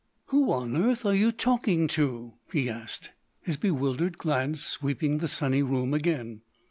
"Who on earth are you talking to?" he asked, his bewildered glance sweeping the sunny room again.